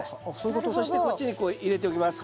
そしてこっちにこう入れておきます